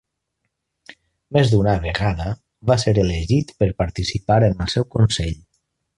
Més d'una vegada, va ser elegit per participar en el seu consell.